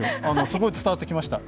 すごい伝わってきました。